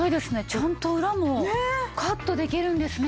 ちゃんと裏もカットできるんですね。